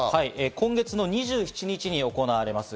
今月２７日に行われます。